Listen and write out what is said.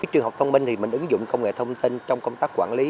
trường học thông minh thì mình ứng dụng công nghệ thông tin trong công tác quản lý